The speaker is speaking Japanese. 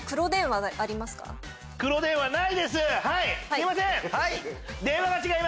すいません。